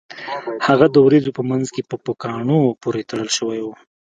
هغه د ورېځو په مینځ کې په پوکاڼو پورې تړل شوی و